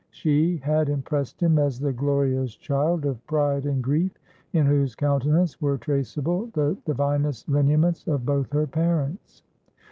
She had impressed him as the glorious child of Pride and Grief, in whose countenance were traceable the divinest lineaments of both her parents.